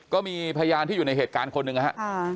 ก็มีพยานที่อยู่ในเหตุการณ์คนหนึ่งนะครับ